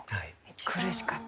苦しかった。